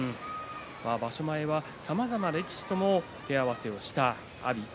場所前はさまざまな力士と手合わせをした阿炎。